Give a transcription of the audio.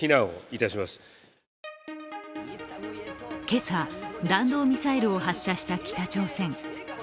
今朝、弾道ミサイルを発射した北朝鮮。